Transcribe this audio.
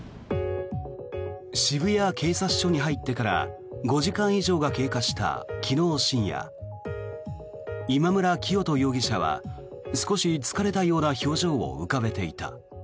渋谷警察署に入ってから５時間以上が経過した昨日深夜今村磨人容疑者は少し疲れたような表情を浮かべていた。